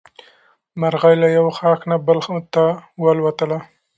مرغۍ له یو ښاخ نه بل ته والوتله.